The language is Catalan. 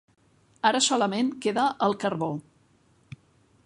Ara solament queda el carbó.